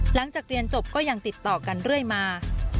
หลังจากเรียนจบก็ยังติดต่อกันเรื่อยมา